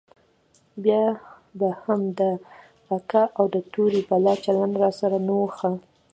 بيا به هم د اکا او د تورې بلا چلند راسره نه و ښه.